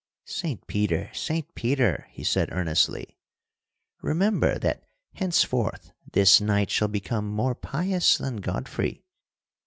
"'Saint Peter, Saint Peter,' He said earnestly. 'Remember that henceforth this knight shall become more pious than Godfrey.